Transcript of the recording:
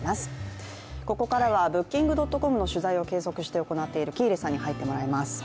ここからはブッキングドットコムの取材を継続して行っている喜入さんに入ってもらいます。